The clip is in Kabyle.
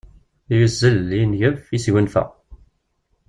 Yuzzel, yengef, yesgunfa.